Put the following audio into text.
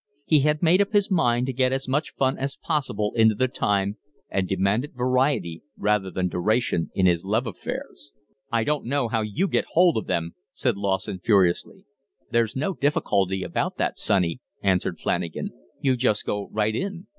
He had made up his mind to get as much fun as possible into the time, and demanded variety rather than duration in his love affairs. "I don't know how you get hold of them," said Lawson furiously. "There's no difficulty about that, sonny," answered Flanagan. "You just go right in.